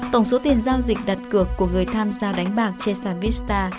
tổng số tiền giao dịch đặt cược của người tham gia đánh bạc trên sanvisa